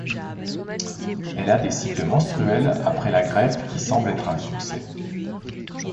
Elle a des cycles menstruels après la greffe, qui semble être un succès.